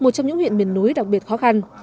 một trong những huyện miền núi đặc biệt khó khăn